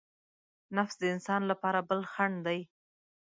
نفس د انسان لپاره بل خڼډ دی.